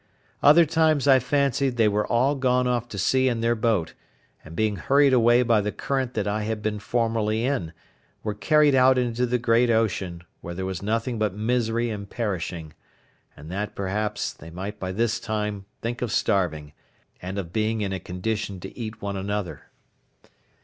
Other times I fancied they were all gone off to sea in their boat, and being hurried away by the current that I had been formerly in, were carried out into the great ocean, where there was nothing but misery and perishing: and that, perhaps, they might by this time think of starving, and of being in a condition to eat one another.